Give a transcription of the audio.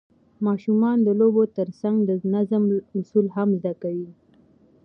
ماشومان د لوبو ترڅنګ د نظم اصول هم زده کوي